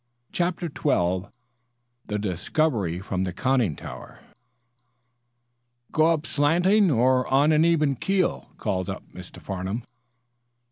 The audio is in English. CHAPTER XII THE DISCOVERY FROM THE CONNING TOWER "Go up slanting, or on an even keel?" called up Mr. Farnum.